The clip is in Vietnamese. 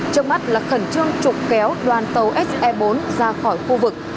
trước mắt là khẩn trương trục kéo đoàn tàu se bốn ra khỏi khu vực